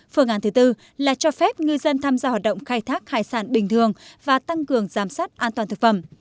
phương án thứ tư là cho phép ngư dân tham gia hoạt động khai thác hải sản bình thường và tăng cường giám sát an toàn thực phẩm